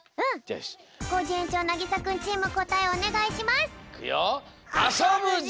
コージ園長なぎさくんチームこたえをおねがいします！